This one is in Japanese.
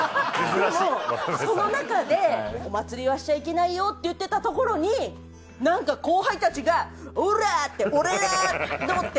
でもそのなかでお祭りはしちゃいけないよって言ってたところになんか後輩たちがおらぁって俺らって。